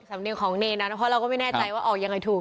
สำเนียงของเนรนั้นเพราะเราก็ไม่แน่ใจว่าออกยังไงถูก